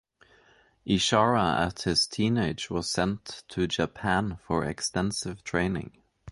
Ishara at his teenage was sent to Japan for extensive training.